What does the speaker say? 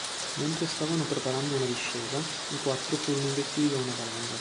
Mentre stavano preparando una discesa, i quattro furono investiti da una valanga.